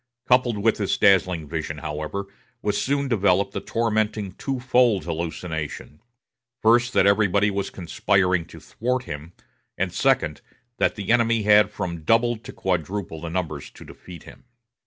Coupled with this dazzling vision, however, was soon developed the tormenting twofold hallucination: first, that everybody was conspiring to thwart him; and, second, that the enemy had from double to quadruple numbers to defeat him.